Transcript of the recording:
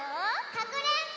かくれんぼ！